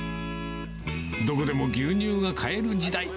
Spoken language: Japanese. どこでも牛乳が買える時代。